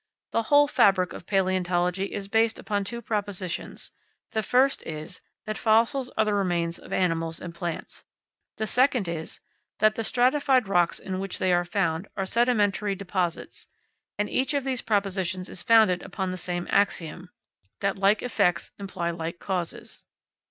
The whole fabric of palaeontology is based upon two propositions: the first is, that fossils are the remains of animals and plants; and the second is, that the stratified rocks in which they are found are sedimentary deposits; and each of these propositions is founded upon the same axiom, that like effects imply like causes.